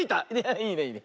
いいねいいね。